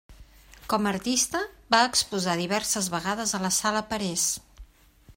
Com a artista, va exposar diverses vegades a la Sala Parés.